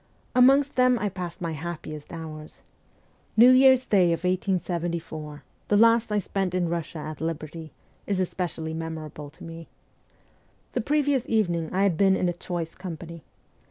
Amongst them I passed my happiest hours. New Year's day of 1874, the last I spent in Eussia at liberty, is especially memorable to me. The previous evening I had been in a choice company.